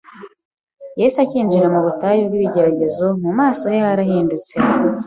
Yesu acyinjira mu butayu bw’ibigeragezo, mu maso he harahindutse.